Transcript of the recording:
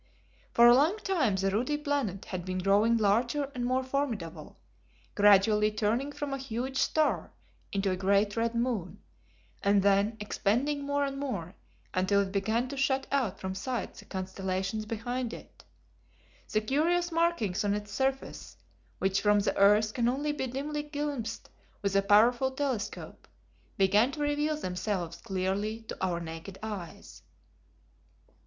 For a long time the ruddy planet had been growing larger and more formidable, gradually turning from a huge star into a great red moon, and then expanding more and more until it began to shut out from sight the constellations behind it. The curious markings on its surface, which from the earth can only be dimly glimpsed with a powerful telescope, began to reveal themselves clearly to our naked eyes.